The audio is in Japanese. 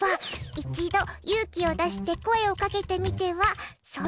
一度、勇気を出して声をかけてみては？